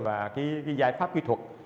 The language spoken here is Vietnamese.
và cái giải pháp kỹ thuật